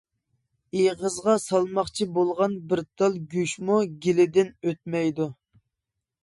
ئېغىزىغا سالماقچى بولغان بىر تال گۆشمۇ گېلىدىن ئۆتمەيدۇ.